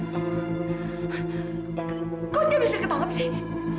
kok dia bisa ketahuan sih